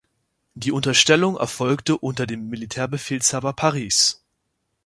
Die Unterstellung erfolgte unter den Militärbefehlshaber Paris.